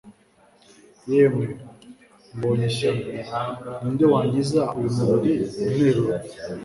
“Yemwe, mbonye ishyano! Ni nde wankiza uyu mubiri untera urupfu?